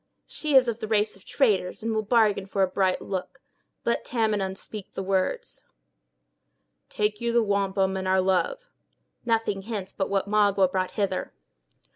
"She is of a race of traders, and will bargain for a bright look. Let Tamenund speak the words." "Take you the wampum, and our love." "Nothing hence but what Magua brought hither."